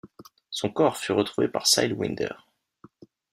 Son corps fut retrouvé par Sidewinder.